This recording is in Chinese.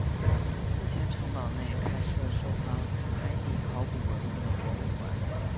目前城堡内开设收藏海底考古文物的博物馆。